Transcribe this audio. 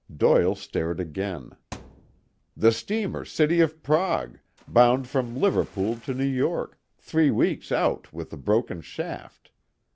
Doyle stared again. "The steamer City of Prague, bound from Liverpool to New York, three weeks out with a broken shaft.